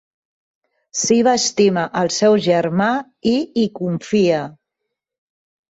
Shiva estima el seu germà i hi confia.